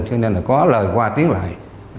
cho nên là có lời qua tiếng lại